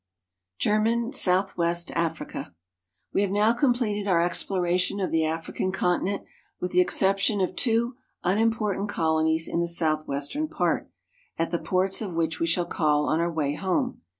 GERMAN SOUTHWEST AFRICA WE have now completed our exploration of the African continent with the exception of two unim portant colonies in the southwestern part, at the ports of which we shall call on our way home.